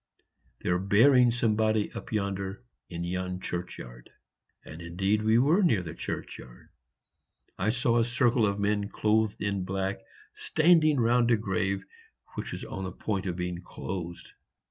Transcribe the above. they're burying somebody up yonder in yon churchyard." And indeed we were near the churchyard; I saw a circle of men clothed in black standing round a grave, which was on the point of being closed.